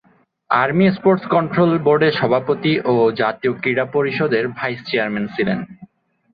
Army sports control বোর্ডের সভাপতি এবং জাতীয় ক্রীড়া পরিষদের ভাইস চেয়ারম্যান ছিলেন।